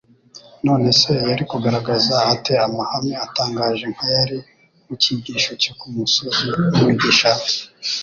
None se yari kugaragaza ate amahame atangaje nk'ayari mu cyigisho cyo ku musozi w'imigisha?